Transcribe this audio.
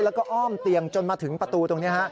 แล้วก็อ้อมเตียงจนมาถึงประตูตรงนี้